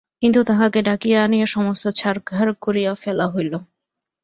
কিন্তু তাহাকে ডাকিয়া আনিয়া সমস্ত ছারখার করিয়া ফেলা হইল।